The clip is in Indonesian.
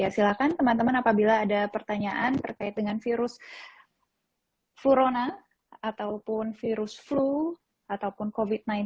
silakan teman teman apabila ada pertanyaan terkait dengan virus flurona ataupun virus flu ataupun covid sembilan belas